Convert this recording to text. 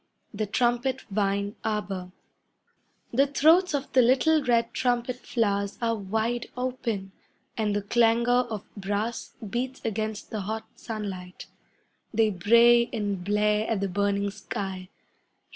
1777 I The Trumpet Vine Arbour The throats of the little red trumpet flowers are wide open, And the clangour of brass beats against the hot sunlight. They bray and blare at the burning sky.